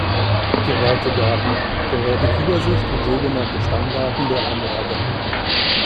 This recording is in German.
Geräte-Daten: Geräte-Übersicht und sogenannte Stammdaten der Anlage.